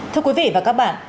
thưa quý vị và các bạn